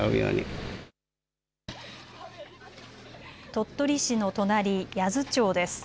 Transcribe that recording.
鳥取市の隣、八頭町です。